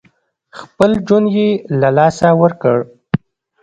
خپل ژوند یې له لاسه ورکړ.